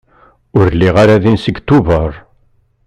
Ur lliɣ ara din seg Tubeṛ.